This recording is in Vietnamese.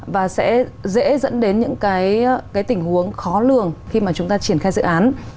và sẽ dễ dẫn đến những cái tình huống khó lường khi mà chúng ta triển khai dự án